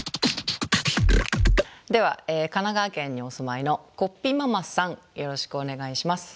では神奈川県にお住まいのこっぴママさんよろしくお願いします。